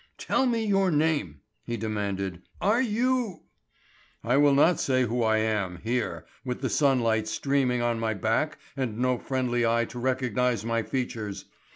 "Tell me your name!" he demanded. "Are you——" "I will not say who I am, here, with the sunlight streaming on my back and no friendly eye to recognize my features.